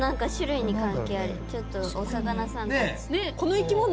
ちょっとお魚さんたち。